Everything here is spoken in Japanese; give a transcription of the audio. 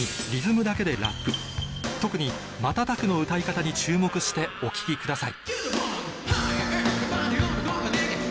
特に「またたく」の歌い方に注目してお聴きください